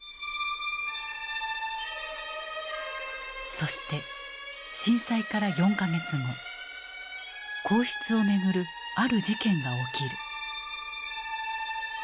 そして震災から４か月後皇室を巡るある事件が起きる。